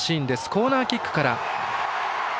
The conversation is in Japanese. コーナーキックから。